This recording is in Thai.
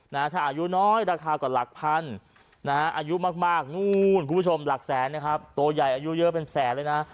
ถ้าอายุน้อยราคากว่าหลักพันนะฮะอายุมากนู่นคุณผู้ชมหลักแสนนะครับตัวใหญ่อายุเยอะเป็นแสนเลยนะ